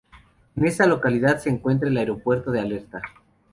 En esta localidad se encuentra el Aeropuerto de Alerta.